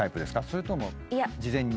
それとも事前に？